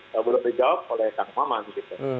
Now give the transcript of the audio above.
yang belum dijawab oleh kang maman gitu